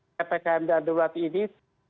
ppkm darurat ini